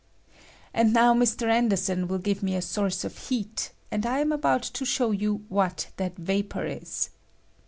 And now Mr, An ^^B derson will give me a source of heat, and I am ^^^1 about to show you what that vapor is.